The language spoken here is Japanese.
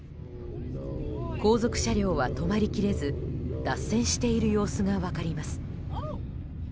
後続車両は止まり切れず脱線している様子が分かります。